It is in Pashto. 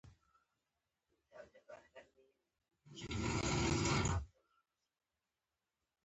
مومن خان توره را وایستله او په منځ یې کېښووله.